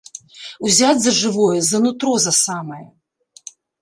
Узяць за жывое, за нутро за самае!